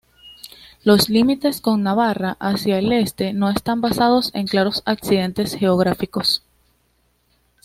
Los límites con Navarra hacia el este no están basados en claros accidentes geográficos.